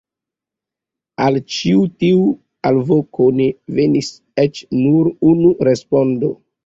Al ĉi tiu alvoko ne venis eĉ nur unu respondo!